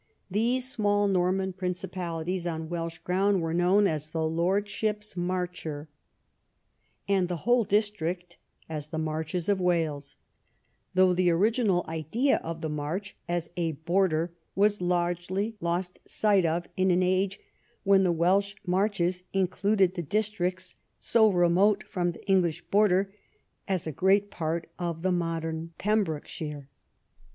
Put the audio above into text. These small Norman principalities on Welsh ground Avere known as the Lordships Marcher, and the whole district as the Marches of Wales, though the original idea of the March as a border was largely lost sight of in an age when the Welsh Marches included the districts so remote from the English border as a great part of the modern Pembrokeshire.